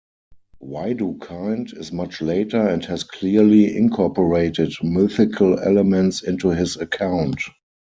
Widukind is much later and has clearly incorporated mythical elements into his account.